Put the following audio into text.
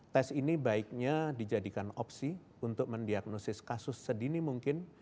tes ini baiknya dijadikan opsi untuk mendiagnosis kasus sedini mungkin